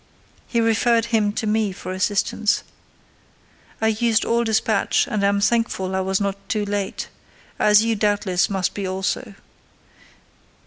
He referred him to me for assistance. I used all despatch, and am thankful I was not too late: as you, doubtless, must be also.